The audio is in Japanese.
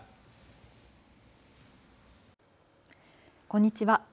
こんにちは。